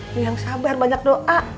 ada yang sabar banyak doa